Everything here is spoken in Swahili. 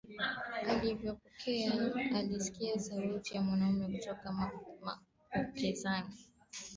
Alivopokea alisikia sauti ya mwanamke kutokea mapokezi akimuuliza kama alitegemea wageni